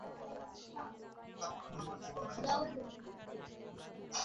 আমাদের বাচ্চাদের নানির বাড়িও ভোপালের কাছাকাছি।